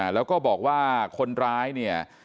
แล้วก็บอกว่าคนร้ายเนี่ย